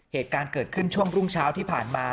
เหตุการณ์เกิดขึ้นช่วงรุ่งเช้าที่ผ่านมา